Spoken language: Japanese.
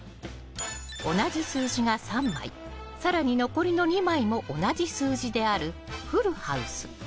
同じ数字が３枚更に残りの２枚も同じ数字であるフルハウス。